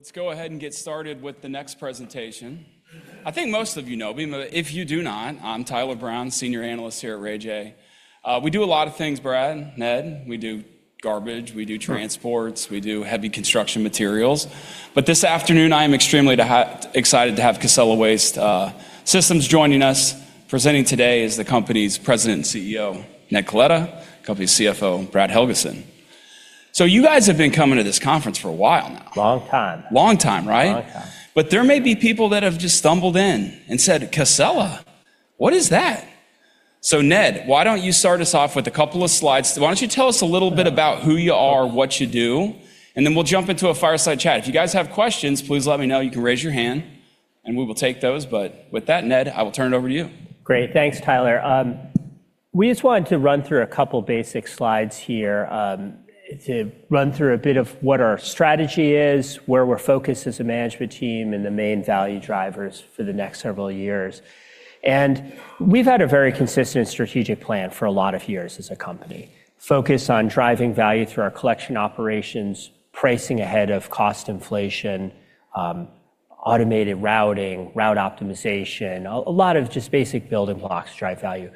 Let's go ahead and get started with the next presentation. I think most of you know me, but if you do not, I'm Tyler Brown, Senior Analyst here at RayJay. We do a lot of things, Brad, Ned. We do garbage, we do transports, we do heavy construction materials. This afternoon, I am extremely excited to have Casella Waste Systems joining us. Presenting today is the company's President and CEO, Ned Coletta, company CFO, Bradford Helgeson. You guys have been coming to this conference for a while now. Long time. Long time, right? Long time. There may be people that have just stumbled in and said, "Casella? What is that?" Ned, why don't you start us off with a couple of slides? Why don't you tell us a little bit about who you are, what you do, and then we'll jump into a fireside chat. If you guys have questions, please let me know. You can raise your hand, and we will take those. With that, Ned, I will turn it over to you. Great. Thanks, Tyler. We just wanted to run through a couple basic slides here, to run through a bit of what our strategy is, where we're focused as a management team and the main value drivers for the next several years. We've had a very consistent strategic plan for a lot of years as a company. Focus on driving value through our collection operations, pricing ahead of cost inflation, automated routing, route optimization, a lot of just basic building blocks drive value.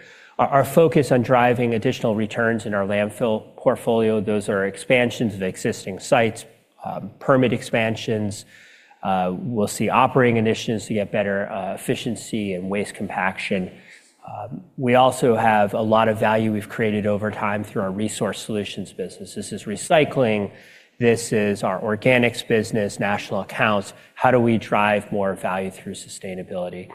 Our focus on driving additional returns in our landfill portfolio, those are expansions of existing sites, permit expansions. We'll see operating initiatives to get better efficiency and waste compaction. We also have a lot of value we've created over time through our Resource Solutions business. This is recycling. This is our organics business, national accounts. How do we drive more value through sustainability?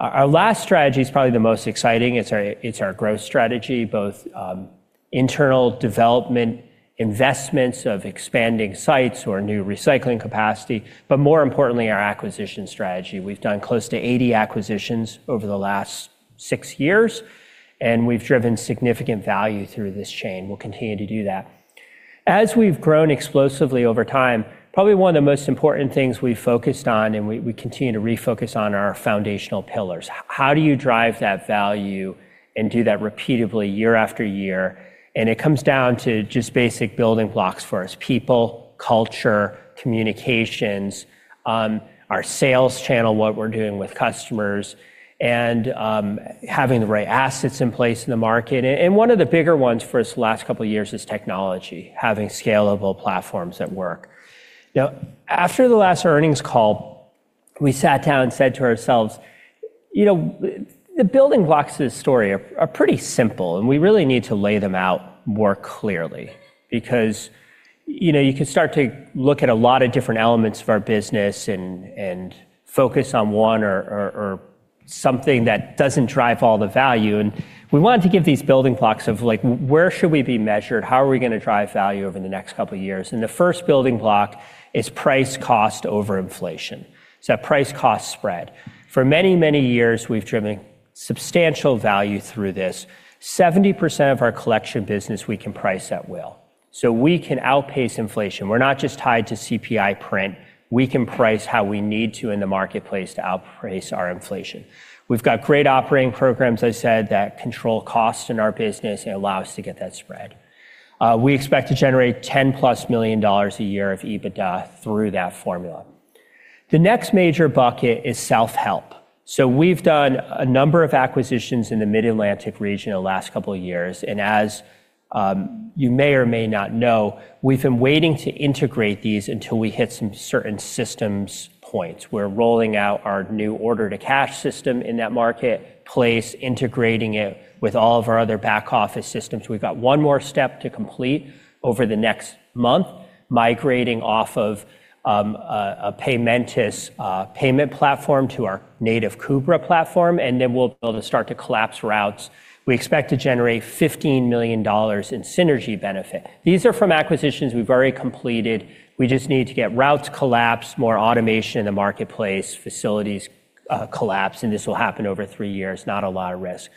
Our last strategy is probably the most exciting. It's our growth strategy, both internal development, investments of expanding sites or new recycling capacity, but more importantly, our acquisition strategy. We've done close to 80 acquisitions over the last six years, and we've driven significant value through this chain. We'll continue to do that. As we've grown explosively over time, probably one of the most important things we've focused on and we continue to refocus on are our foundational pillars. How do you drive that value and do that repeatedly year after year? It comes down to just basic building blocks for us: people, culture, communications, our sales channel, what we're doing with customers, and having the right assets in place in the market. One of the bigger ones for us the last couple of years is technology, having scalable platforms that work. You know, after the last earnings call, we sat down and said to ourselves, "You know, the building blocks to this story are pretty simple, and we really need to lay them out more clearly." You know, you can start to look at a lot of different elements of our business and focus on one or something that doesn't drive all the value. We wanted to give these building blocks of, like, where should we be measured? How are we gonna drive value over the next couple of years? The first building block is price cost over inflation. It's that price-cost spread. For many, many years, we've driven substantial value through this. 70% of our collection business we can price at will. We can outpace inflation. We're not just tied to CPI print. We can price how we need to in the marketplace to outpace our inflation. We've got great operating programs, I said, that control costs in our business and allow us to get that spread. We expect to generate $10+ million a year of EBITDA through that formula. The next major bucket is self-help. We've done a number of acquisitions in the Mid-Atlantic region the last couple of years, and as you may or may not know, we've been waiting to integrate these until we hit some certain systems points. We're rolling out our new order-to-cash system in that marketplace, integrating it with all of our other back office systems. We've got one more step to complete over the next month, migrating off of a Paymentus payment platform to our native KUBRA platform, and then we'll be able to start to collapse routes. We expect to generate $15 million in synergy benefit. These are from acquisitions we've already completed. We just need to get routes collapsed, more automation in the marketplace, facilities collapsed, and this will happen over three years. Not a lot of risk.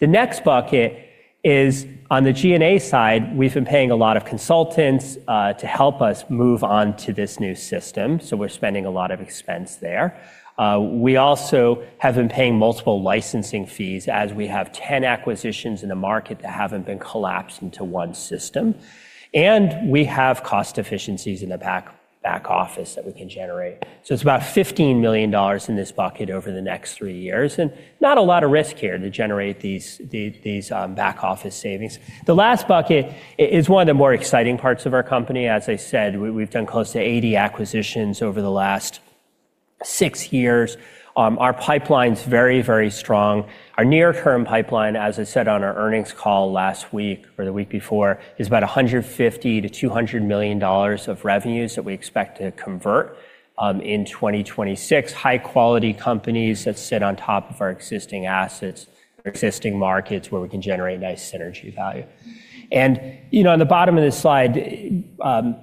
The next bucket is on the G&A side, we've been paying a lot of consultants to help us move on to this new system, so we're spending a lot of expense there. We also have been paying multiple licensing fees as we have 10 acquisitions in the market that haven't been collapsed into one system. We have cost efficiencies in the back office that we can generate. It's about $15 million in this bucket over the next three years, not a lot of risk here to generate these back office savings. The last bucket is one of the more exciting parts of our company. As I said, we've done close to 80 acquisitions over the last six years. Our pipeline's very strong. Our near-term pipeline, as I said on our earnings call last week or the week before, is about $150 million-$200 million of revenues that we expect to convert in 2026. High-quality companies that sit on top of our existing assets or existing markets where we can generate nice synergy value. You know, in the bottom of this slide,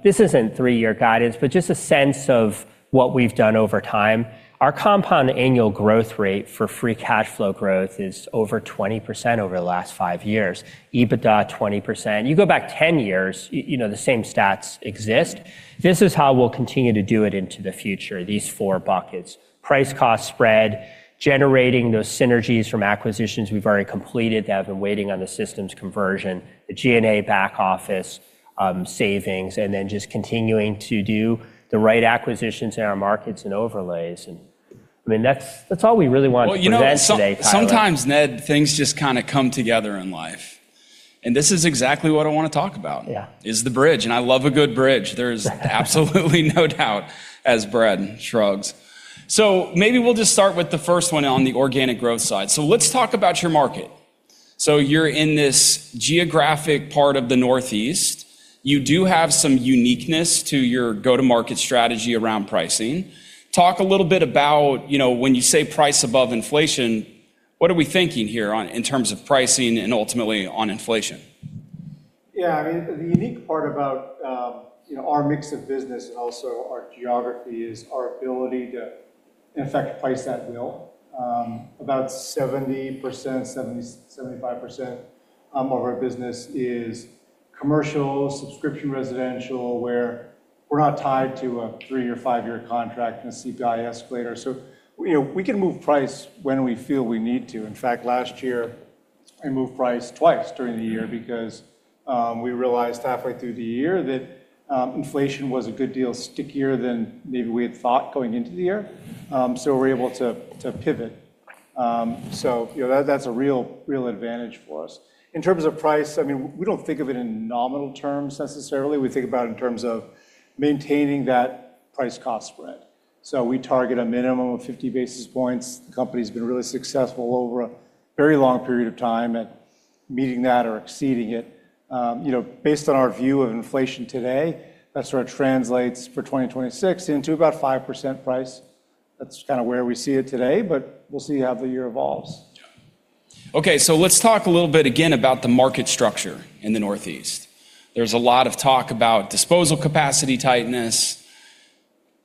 this isn't 3-year guidance, but just a sense of what we've done over time. Our compound annual growth rate for free cash flow growth is over 20% over the last five years. EBITDA, 20%. You go back 10 years, you know, the same stats exist. This is how we'll continue to do it into the future, these four buckets. Price-cost spread, generating those synergies from acquisitions we've already completed that have been waiting on the systems conversion, the G&A back office savings, and then just continuing to do the right acquisitions in our markets and overlays, and I mean, that's all we really want to present today, Tyler. Well, you know, sometimes, Ned, things just kinda come together in life. This is exactly what I wanna talk about. Yeah... is the bridge, and I love a good bridge. There's absolutely no doubt, as Brad shrugs. Maybe we'll just start with the first one on the organic growth side. Let's talk about your market. You're in this geographic part of the Northeast. You do have some uniqueness to your go-to-market strategy around pricing. Talk a little bit about, you know, when you say price above inflation, what are we thinking here on, in terms of pricing and ultimately on inflation? Yeah. I mean, the unique part about, you know, our mix of business and also our geography is our ability to, in fact, price at will. About 70%, 75% of our business is commercial, subscription residential, where we're not tied to a three or five year contract and a CPI escalator. You know, we can move price when we feel we need to. In fact, last year, we moved price twice during the year because we realized halfway through the year that inflation was a good deal stickier than maybe we had thought going into the year. So we're able to pivot. You know, that's a real advantage for us. In terms of price, I mean, we don't think of it in nominal terms necessarily. We think about it in terms of maintaining that price-cost spread. We target a minimum of 50 basis points. The company's been really successful over a very long period of time at meeting that or exceeding it. You know, based on our view of inflation today, that sort of translates for 2026 into about 5% price. That's kinda where we see it today, but we'll see how the year evolves. Okay. Let's talk a little bit again about the market structure in the Northeast. There's a lot of talk about disposal capacity tightness.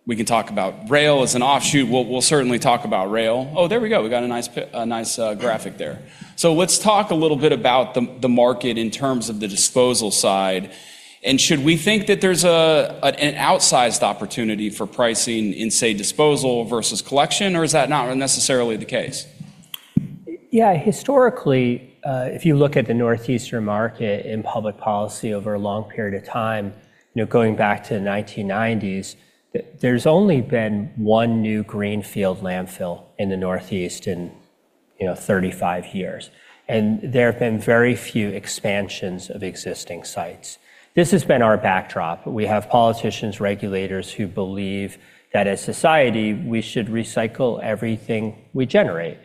We can talk about rail as an offshoot. We'll certainly talk about rail. Oh, there we go. We got a nice graphic there. Let's talk a little bit about the market in terms of the disposal side. Should we think that there's an outsized opportunity for pricing in, say, disposal versus collection, or is that not necessarily the case? Yeah. Historically, if you look at the Northeastern market in public policy over a long period of time, you know, going back to 1990s, there's only been one new greenfield landfill in the Northeast in, you know, 35 years. And there have been very few expansions of existing sites. This has been our backdrop. We have politicians, regulators who believe that as society, we should recycle everything we generate.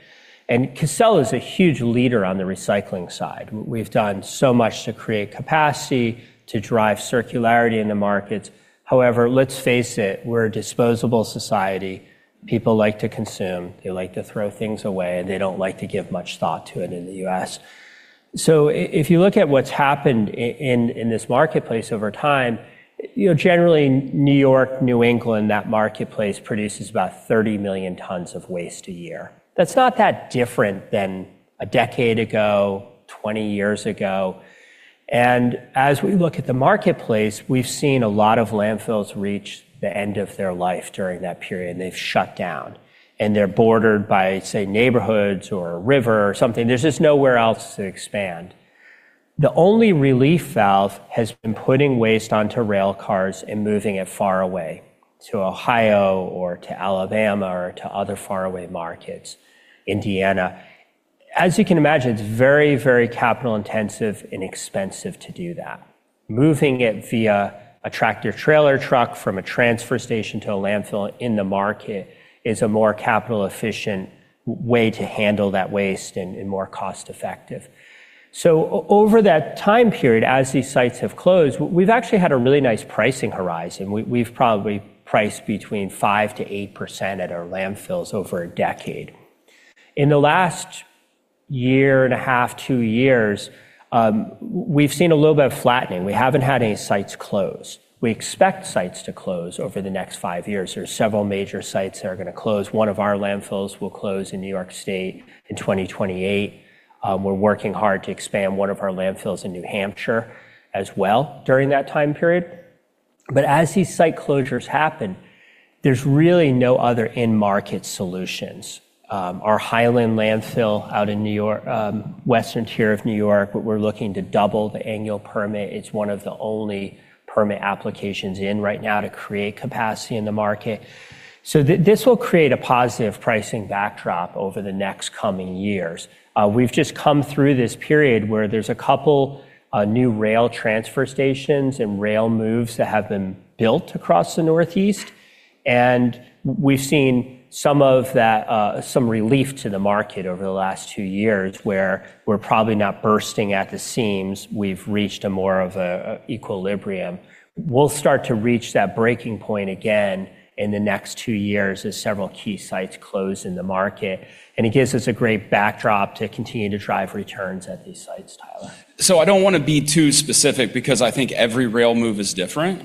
And Casella is a huge leader on the recycling side. We've done so much to create capacity to drive circularity in the markets. However, let's face it, we're a disposable society. People like to consume, they like to throw things away, and they don't like to give much thought to it in the U.S. If you look at what's happened in this marketplace over time, you know, generally New York, New England, that marketplace produces about 30 million tons of waste a year. That's not that different than a decade ago, 20 years ago. As we look at the marketplace, we've seen a lot of landfills reach the end of their life during that period, and they've shut down, and they're bordered by, say, neighborhoods or a river or something. There's just nowhere else to expand. The only relief valve has been putting waste onto rail cars and moving it far away to Ohio or to Alabama or to other faraway markets, Indiana. As you can imagine, it's very, very capital intensive and expensive to do that. Moving it via a tractor-trailer truck from a transfer station to a landfill in the market is a more capital efficient way to handle that waste and more cost-effective. Over that time period, as these sites have closed, we've actually had a really nice pricing horizon. We've probably priced between 5%-8% at our landfills over a decade. In the last year and a half, two years, we've seen a little bit of flattening. We haven't had any sites close. We expect sites to close over the next five years. There's several major sites that are gonna close. One of our landfills will close in New York State in 2028. We're working hard to expand one of our landfills in New Hampshire as well during that time period. As these site closures happen, there's really no other in-market solutions. Our Highland landfill out in New York, western tier of New York, we're looking to double the annual permit. It's one of the only permit applications in right now to create capacity in the market. This will create a positive pricing backdrop over the next coming years. We've just come through this period where there's a couple new rail transfer stations and rail moves that have been built across the Northeast, and we've seen some of that some relief to the market over the last two years, where we're probably not bursting at the seams. We've reached a more of a equilibrium. We'll start to reach that breaking point again in the next two years as several key sites close in the market. It gives us a great backdrop to continue to drive returns at these sites, Tyler. I don't wanna be too specific because I think every rail move is different.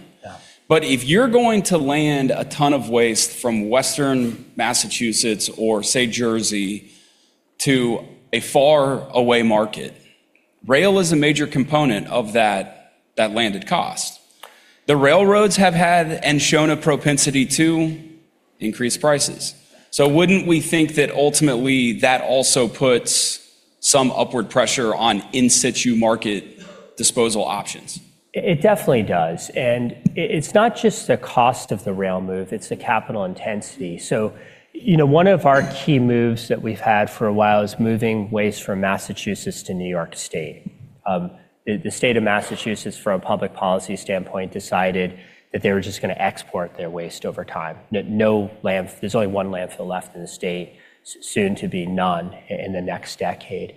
Yeah. If you're going to land a ton of waste from Western Massachusetts or, say, Jersey to a far away market, rail is a major component of that landed cost. The railroads have had and shown a propensity to increase prices. Wouldn't we think that ultimately that also puts some upward pressure on in situ market disposal options. It definitely does. It's not just the cost of the rail move, it's the capital intensity. You know, one of our key moves that we've had for a while is moving waste from Massachusetts to New York State. The state of Massachusetts, from a public policy standpoint, decided that they were just gonna export their waste over time. There's only one landfill left in the state, soon to be none in the next decade.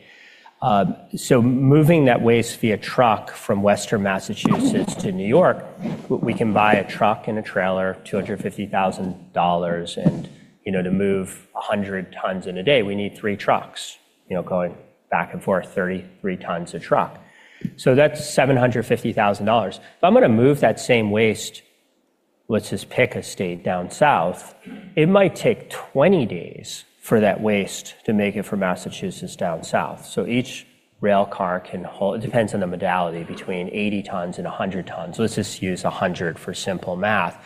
Moving that waste via truck from western Massachusetts to New York, we can buy a truck and a trailer, $250,000, and, you know, to move 100 tons in a day, we need three trucks, you know, going back and forth, 33 tons a truck. That's $750,000. If I'm gonna move that same waste, let's just pick a state down South, it might take 20 days for that waste to make it from Massachusetts down South. Each rail car can It depends on the modality, between 80 tons and 100 tons. Let's just use 100 for simple math.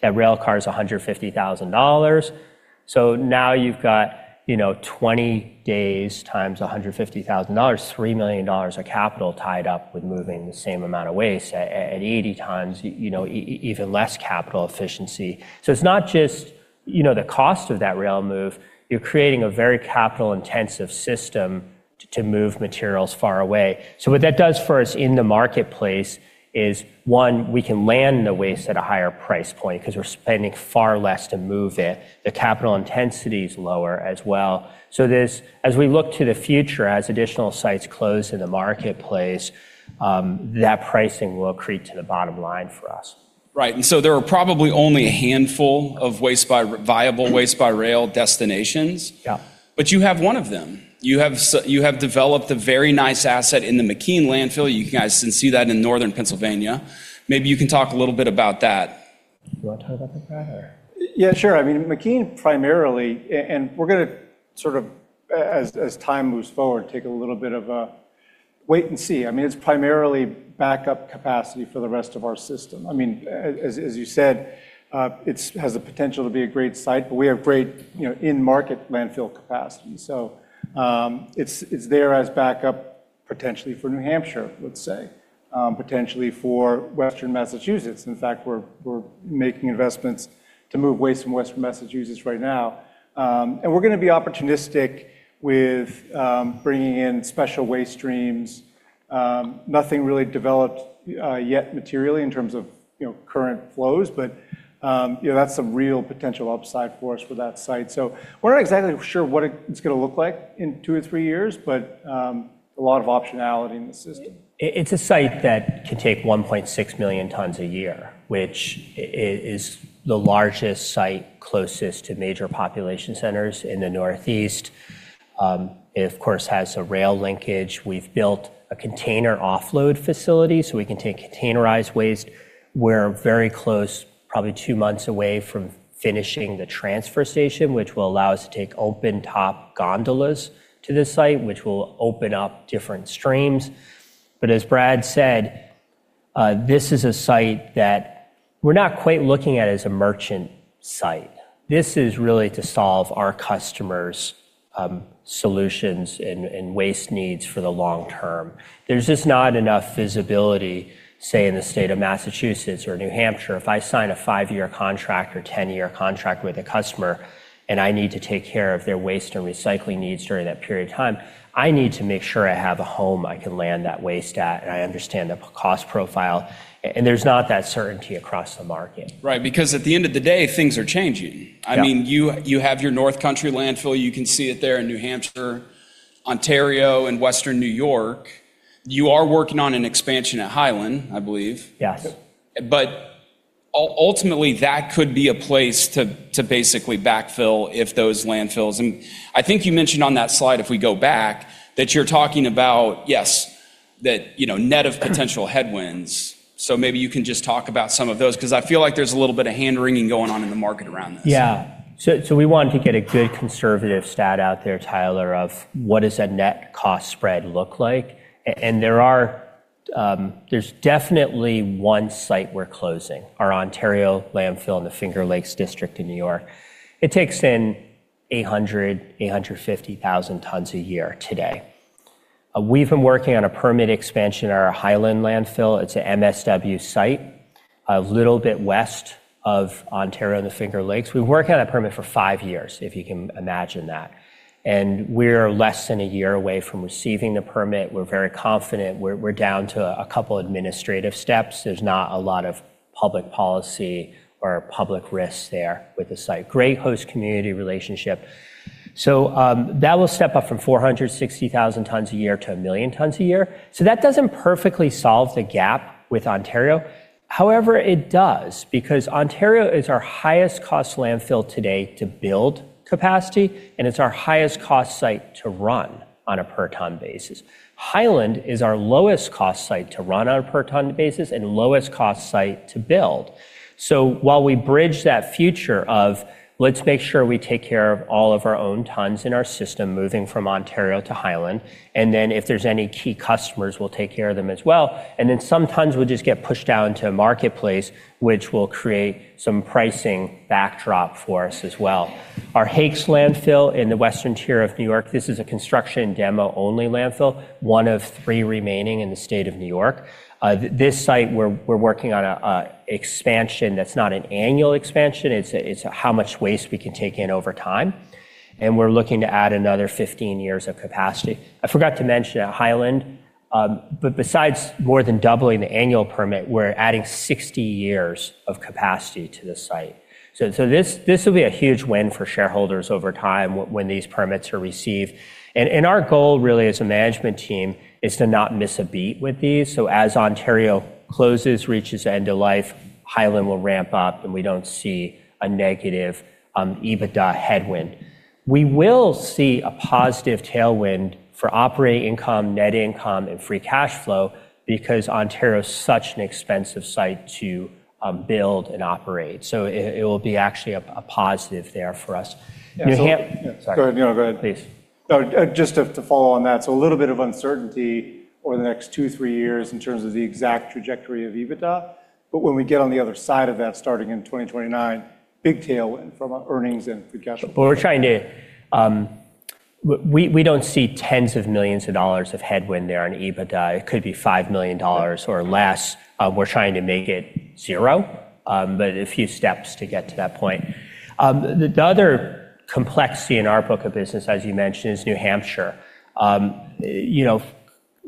That rail car is $150,000. Now you've got, you know, 20 days times $150,000, $3 million of capital tied up with moving the same amount of waste. At 80 times, you know, even less capital efficiency. It's not just, you know, the cost of that rail move, you're creating a very capital-intensive system to move materials far away. What that does for us in the marketplace is, one, we can land the waste at a higher price point 'cause we're spending far less to move it. The capital intensity is lower as well. As we look to the future, as additional sites close in the marketplace, that pricing will accrete to the bottom line for us. Right. There are probably only a handful of waste by viable waste by rail destinations. Yeah. You have one of them. You have developed a very nice asset in the McKean Landfill. You guys can see that in northern Pennsylvania. Maybe you can talk a little bit about that. Do you wanna talk about that, Brad, or? Yeah, sure. I mean, McKean primarily. And we're gonna sort of, as time moves forward, take a little bit of a wait and see. I mean, it's primarily backup capacity for the rest of our system. I mean, as you said, it has the potential to be a great site, but we have great, you know, in-market landfill capacity. It's there as backup potentially for New Hampshire, let's say, potentially for western Massachusetts. In fact, we're making investments to move waste from western Massachusetts right now. We're gonna be opportunistic with bringing in special waste streams. Nothing really developed yet materially in terms of, you know, current flows, but, you know, that's some real potential upside for us for that site. We're not exactly sure what it's gonna look like in two or three years, but, a lot of optionality in the system. It's a site that can take 1.6 million tons a year, which is the largest site closest to major population centers in the Northeast. It of course has a rail linkage. We've built a container offload facility, so we can take containerized waste. We're very close, probably two months away from finishing the transfer station, which will allow us to take open top gondolas to the site, which will open up different streams. As Brad said, this is a site that we're not quite looking at as a merchant site. This is really to solve our customers' solutions and waste needs for the long term. There's just not enough visibility, say, in the state of Massachusetts or New Hampshire. If I sign a five-year contract or 10-year contract with a customer and I need to take care of their waste and recycling needs during that period of time, I need to make sure I have a home I can land that waste at, and I understand the cost profile, and there's not that certainty across the market. Right. Because at the end of the day, things are changing. Yeah. I mean, you have your North Country Landfill. You can see it there in New Hampshire, Ontario, and western New York. You are working on an expansion at Highland, I believe. Yes. Ultimately, that could be a place to basically backfill if those landfills. I think you mentioned on that slide, if we go back, that you're talking about, yes, that, you know, net of potential headwinds. Maybe you can just talk about some of those 'cause I feel like there's a little bit of hand-wringing going on in the market around this. We wanted to get a good conservative stat out there, Tyler, of what does a net cost spread look like? There's definitely one site we're closing, our Ontario landfill in the Finger Lakes District in New York. It takes in 850,000 tons a year today. We've been working on a permit expansion at our Highland landfill. It's an MSW site a little bit west of Ontario and the Finger Lakes. We've worked on that permit for five years, if you can imagine that, and we're less than a year away from receiving the permit. We're very confident. We're down to a couple of administrative steps. There's not a lot of public policy or public risk there with the site. Great host community relationship. That will step up from 460,000 tons a year to 1 million tons a year. That doesn't perfectly solve the gap with Ontario. It does because Ontario is our highest cost landfill today to build capacity, and it's our highest cost site to run on a per ton basis. Highland is our lowest cost site to run on a per ton basis and lowest cost site to build. While we bridge that future of let's make sure we take care of all of our own tons in our system, moving from Ontario to Highland, if there's any key customers, we'll take care of them as well. Some tons will just get pushed out into the marketplace, which will create some pricing backdrop for us as well. Our Hakes landfill in the western tier of New York, this is a construction demo only landfill, one of three remaining in the state of New York. This site, we're working on an expansion that's not an annual expansion. It's how much waste we can take in over time, and we're looking to add another 15 years of capacity. I forgot to mention at Highland, but besides more than doubling the annual permit, we're adding 60 years of capacity to the site. This will be a huge win for shareholders over time when these permits are received. Our goal really as a management team is to not miss a beat with these. As Ontario closes, reaches end of life, Highland will ramp up, and we don't see a negative EBITDA headwind. We will see a positive tailwind for operating income, net income, and free cash flow because Ontario is such an expensive site to build and operate. It will be actually a positive there for us. Sorry. Go ahead, Ned. Go ahead. Please. Just to follow on that. A little bit of uncertainty over the next two, three years in terms of the exact trajectory of EBITDA. When we get on the other side of that, starting in 2029, big tailwind from our earnings and free cash flow. We're trying to. We don't see tens of millions of dollars of headwind there on EBITDA. It could be $5 million or less. We're trying to make it 0, but a few steps to get to that point. The other complexity in our book of business, as you mentioned, is New Hampshire. You know,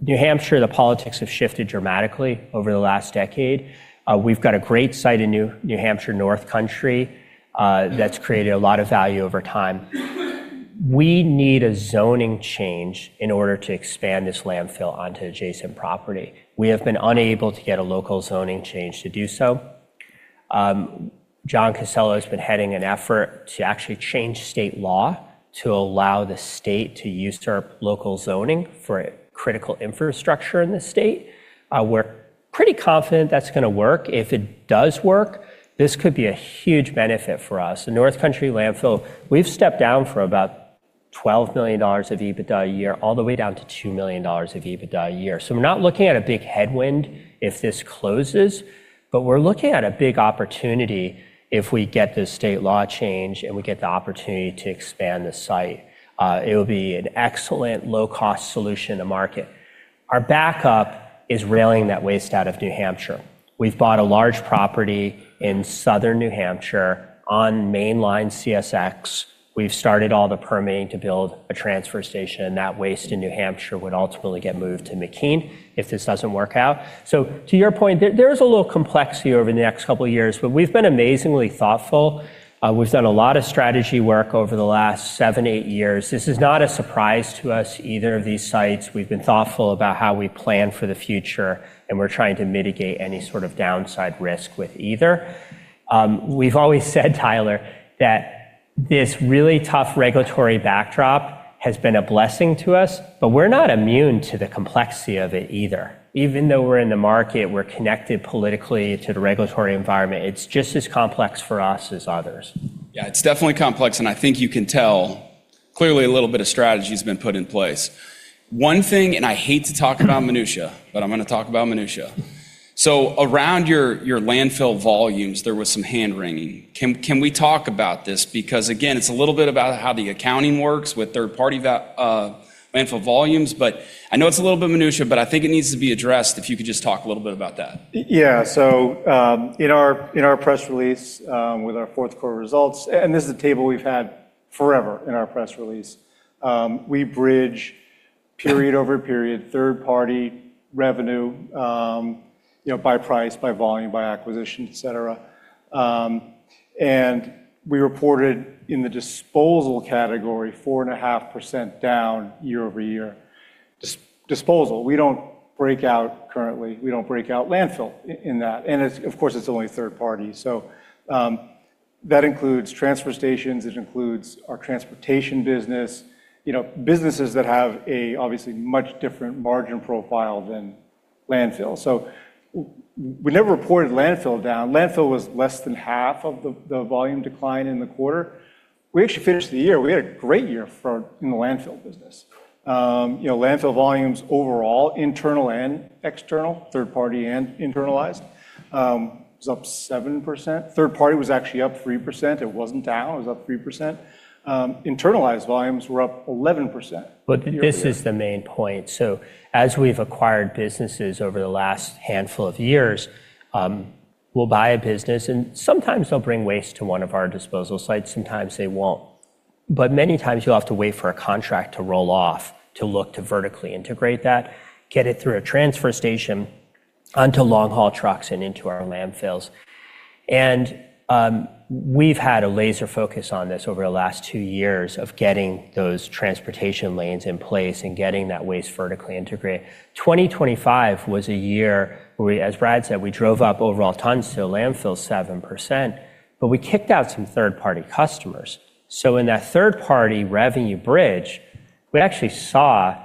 New Hampshire, the politics have shifted dramatically over the last decade. We've got a great site in New Hampshire, North Country, that's created a lot of value over time. We need a zoning change in order to expand this landfill onto adjacent property. We have been unable to get a local zoning change to do so. John Casella has been heading an effort to actually change state law to allow the state to usurp local zoning for critical infrastructure in the state. We're pretty confident that's gonna work. If it does work, this could be a huge benefit for us. The North Country landfill, we've stepped down from about $12 million of EBITDA a year all the way down to $2 million of EBITDA a year. We're not looking at a big headwind if this closes, but we're looking at a big opportunity if we get this state law change and we get the opportunity to expand the site. It'll be an excellent low-cost solution to market. Our backup is railing that waste out of New Hampshire. We've bought a large property in southern New Hampshire on mainline CSX. That waste in New Hampshire would ultimately get moved to McKean if this doesn't work out. To your point, there is a little complexity over the next two years. We've been amazingly thoughtful. We've done a lot of strategy work over the last seven, eight years. This is not a surprise to us, either of these sites. We've been thoughtful about how we plan for the future. We're trying to mitigate any sort of downside risk with either. We've always said, Tyler, that this really tough regulatory backdrop has been a blessing to us. We're not immune to the complexity of it either. Even though we're in the market, we're connected politically to the regulatory environment. It's just as complex for us as others. Yeah, it's definitely complex, and I think you can tell clearly a little bit of strategy has been put in place. One thing, and I hate to talk about minutia, but I'm gonna talk about minutia. Around your landfill volumes, there was some hand-wringing. Can we talk about this? Again, it's a little bit about how the accounting works with third-party landfill volumes, but I know it's a little bit minutia, but I think it needs to be addressed, if you could just talk a little bit about that. Yeah. In our press release, with our fourth quarter results, this is a table we've had forever in our press release, we bridge period-over-period third-party revenue, you know, by price, by volume, by acquisition, et cetera. We reported in the disposal category 4.5% down year-over-year. Disposal, we don't break out currently, we don't break out landfill in that. It's, of course, it's only third party. That includes transfer stations, it includes our transportation business, you know, businesses that have a obviously much different margin profile than landfill. We never reported landfill down. Landfill was less than half of the volume decline in the quarter. We actually finished the year. We had a great year in the landfill business. You know, landfill volumes overall, internal and external, third party and internalized, was up 7%. Third party was actually up 3%. It wasn't down, it was up 3%. Internalized volumes were up 11% year-over-year. This is the main point. As we've acquired businesses over the last handful of years, We'll buy a business, and sometimes they'll bring waste to one of our disposal sites, sometimes they won't. Many times you'll have to wait for a contract to roll off to look to vertically integrate that, get it through a transfer station onto long-haul trucks and into our landfills. We've had a laser focus on this over the last two years of getting those transportation lanes in place and getting that waste vertically integrated. 2025 was a year where we, as Brad said, we drove up overall tons to a landfill 7%, but we kicked out some third-party customers. In that third-party revenue bridge, we actually saw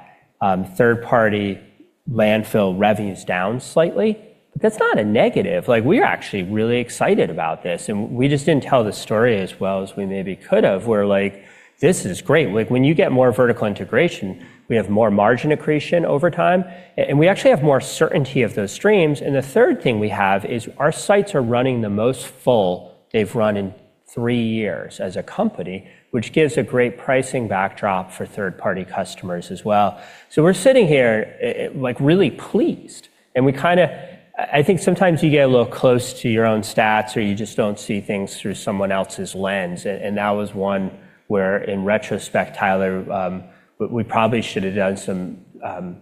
third-party landfill revenues down slightly. That's not a negative. Like, we're actually really excited about this, we just didn't tell the story as well as we maybe could have. We're like, "This is great." When you get more vertical integration, we have more margin accretion over time, and we actually have more certainty of those streams. The third thing we have is our sites are running the most full they've run in three years as a company, which gives a great pricing backdrop for third-party customers as well. We're sitting here like really pleased, and we kinda... I think sometimes you get a little close to your own stats, or you just don't see things through someone else's lens. That was one where, in retrospect, Tyler, we probably should have done some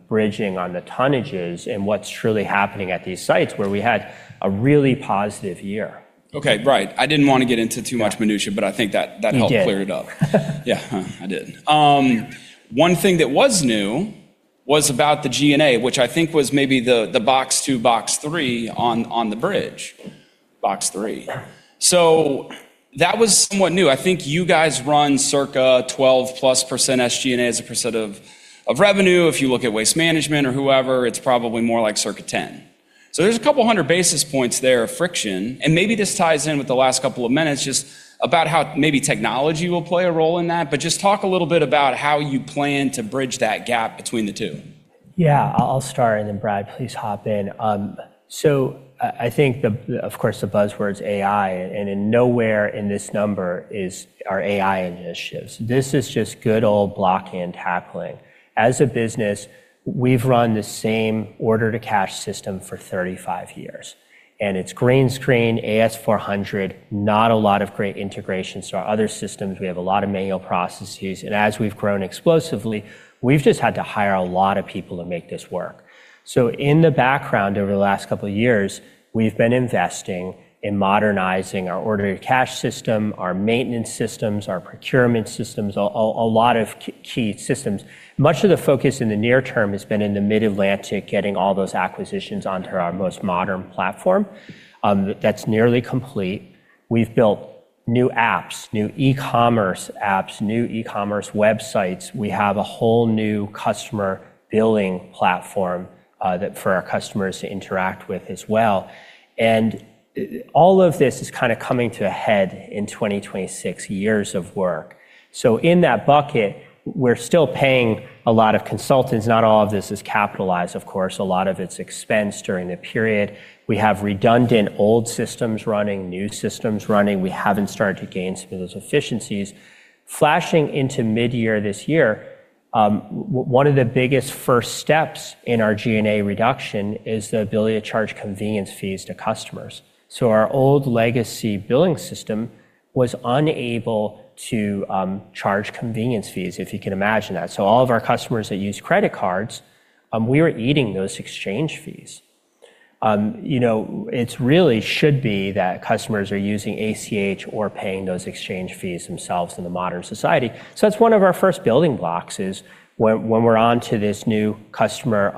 bridging on the tonnages and what's truly happening at these sites where we had a really positive year. Okay. Right. I didn't wanna get into too much- Yeah. Minutiae, but I think that. You did. Helped clear it up. Yeah. I did. One thing that was new was about the G&A, which I think was maybe the box 2, box 3 on the bridge. Box 3. Yeah. That was somewhat new. I think you guys run circa 12+% SG&A as a percent of revenue. If you look at Waste Management or whoever, it's probably more like circa 10. There's 200 basis points there of friction, and maybe this ties in with the last couple of minutes just about how maybe technology will play a role in that. Just talk a little bit about how you plan to bridge that gap between the two. Yeah. I'll start. Brad, please hop in. I think of course, the buzzword's AI, in nowhere in this number is our AI initiatives. This is just good old block and tackling. As a business, we've run the same order-to-cash system for 35 years, it's green screen, AS400, not a lot of great integrations to our other systems. We have a lot of manual processes. As we've grown explosively, we've just had to hire a lot of people to make this work. In the background over the last couple of years, we've been investing in modernizing our order-to-cash system, our maintenance systems, our procurement systems, a lot of key systems. Much of the focus in the near term has been in the Mid-Atlantic, getting all those acquisitions onto our most modern platform. That's nearly complete. We've built new apps, new e-commerce apps, new e-commerce websites. We have a whole new customer billing platform that for our customers to interact with as well. All of this is kind of coming to a head in 2026 years of work. In that bucket, we're still paying a lot of consultants. Not all of this is capitalized, of course. A lot of it's expense during the period. We have redundant old systems running, new systems running. We haven't started to gain some of those efficiencies. Flashing into midyear this year, one of the biggest first steps in our G&A reduction is the ability to charge convenience fees to customers. Our old legacy billing system was unable to charge convenience fees, if you can imagine that. All of our customers that use credit cards, we were eating those exchange fees. You know, it's really should be that customers are using ACH or paying those exchange fees themselves in the modern society. That's one of our first building blocks is when we're onto this new customer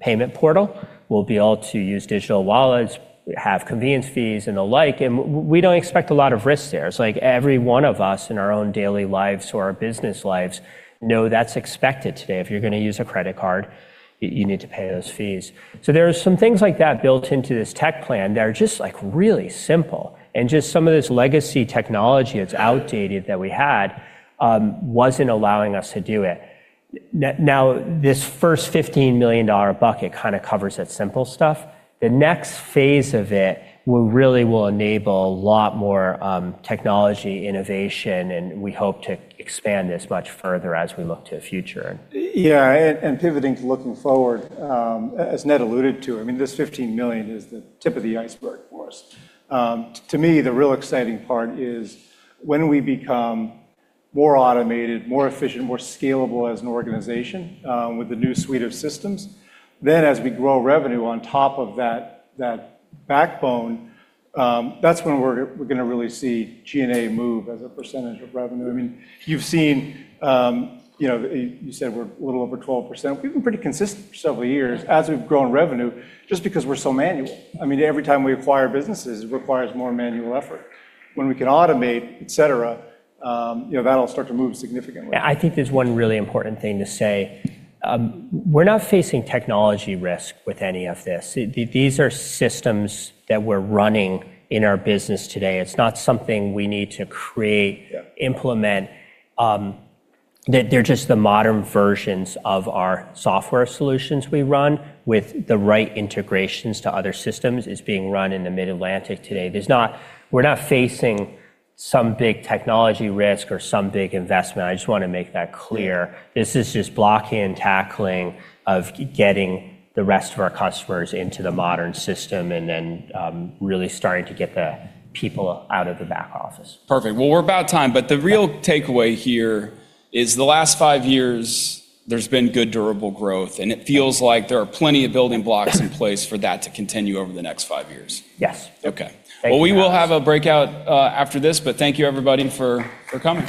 payment portal, we'll be able to use digital wallets, have convenience fees and the like, and we don't expect a lot of risk there. It's like every one of us in our own daily lives or our business lives know that's expected today. If you're gonna use a credit card, you need to pay those fees. There are some things like that built into this tech plan that are just, like, really simple, and just some of this legacy technology that's outdated that we had wasn't allowing us to do it. Now, this first $15 million bucket kinda covers that simple stuff. The next phase of it will really enable a lot more technology innovation, and we hope to expand this much further as we look to the future. Yeah, and pivoting to looking forward, as Ned alluded to, I mean, this $15 million is the tip of the iceberg for us. To me, the real exciting part is when we become more automated, more efficient, more scalable as an organization, with the new suite of systems, then as we grow revenue on top of that backbone, that's when we're gonna really see G&A move as a % of revenue. I mean, you've seen, you know, you said we're a little over 12%. We've been pretty consistent for several years as we've grown revenue just because we're so manual. I mean, every time we acquire businesses, it requires more manual effort. When we can automate, et cetera, you know, that'll start to move significantly. Yeah, I think there's one really important thing to say. We're not facing technology risk with any of this. These are systems that we're running in our business today. It's not something we need to create- Yeah. -implement. They're just the modern versions of our software solutions we run with the right integrations to other systems. It's being run in the Mid-Atlantic today. We're not facing some big technology risk or some big investment. I just wanna make that clear. This is just block and tackling of getting the rest of our customers into the modern system and then, really starting to get the people out of the back office. Perfect. Well, we're about time. The real takeaway here is the last five years, there's been good, durable growth, and it feels like there are plenty of building blocks in place for that to continue over the next five years. Yes. Okay. Thank you for having us. Well, we will have a breakout, after this. Thank you, everybody, for coming.